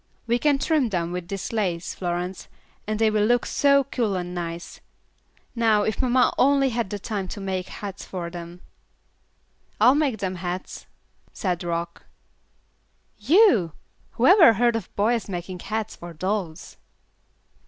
We can trim them with this lace, Florence, and they will look so cool and nice. Now if mamma only had time to make hats for them!" "I'll make them hats," said Rock. "You! Whoever heard of boys making hats for dolls?"